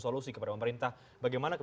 solusi kepada pemerintah bagaimana